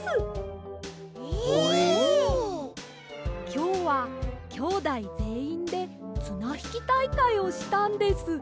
きょうはきょうだいぜんいんでつなひきたいかいをしたんです。